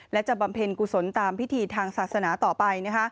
และจะบำเพ็ญกุศลตามพิธีทางศาสนาต่อไป